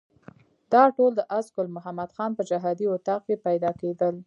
دا ټول د آس ګل محمد خان په جهادي اطاق کې پیدا کېدل.